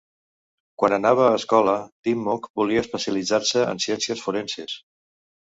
Quan anava a escola, Dimmock volia especialitzar-se en ciències forenses.